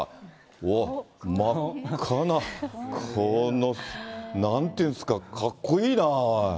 うわっ、真っ赤な、このなんていうんですか、かっこいいなぁ。